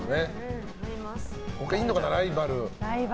他にいるかな、ライバル。